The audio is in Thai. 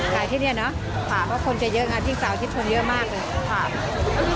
ขายที่นี่เนอะค่ะเพราะคนจะเยอะงานพิสูจน์ที่ชนเยอะมากเลย